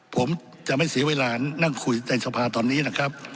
ผมจะไม่เสียเวลานั่งคุยในสภาตอนนี้นะครับ